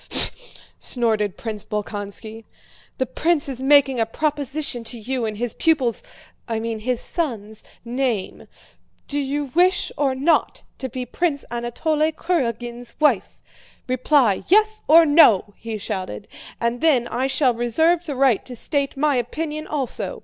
"Fr... fr..." snorted Prince Bolkónski. "The prince is making a proposition to you in his pupil's—I mean, his son's—name. Do you wish or not to be Prince Anatole Kurágin's wife? Reply: yes or no," he shouted, "and then I shall reserve the right to state my opinion also.